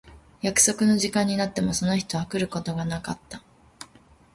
約束の時間になってもその人は来ることがなかった。